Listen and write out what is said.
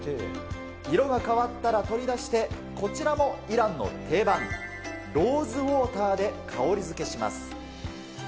色が変わったら取り出して、こちらもイランの定番、ローズウオーターで香りづけします。